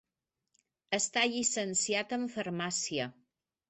Està llicenciat en farmàcia.